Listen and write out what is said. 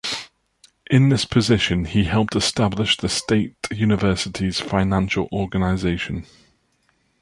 In this position he helped establish the state university's financial organization.